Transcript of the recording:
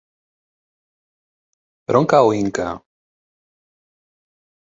Per on cau Inca?